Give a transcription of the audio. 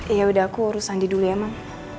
ya udah aku urus andi dulu ya mam